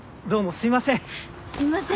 すいません。